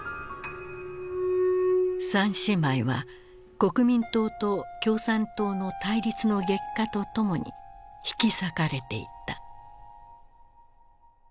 三姉妹は国民党と共産党の対立の激化とともに引き裂かれていった。